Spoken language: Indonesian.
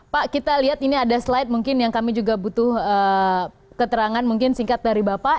pak kita lihat ini ada slide mungkin yang kami juga butuh keterangan mungkin singkat dari bapak